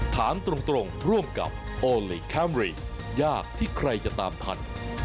ถามตรงร่วมกับโอลี่คัมรี่ยากที่ใครจะตามทัน